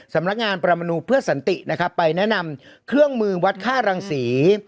สำนักงานประมนูเพื่อสันตินะครับไปแนะนำเครื่องมือวัดค่ารังศรี